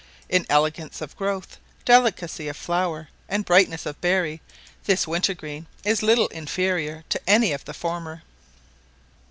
In elegance of growth, delicacy of flower, and brightness of berry, this winter green is little inferior to any of the former.